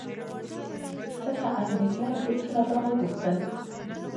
ځکه انګرېزانو هېڅکله دا نه غوښتل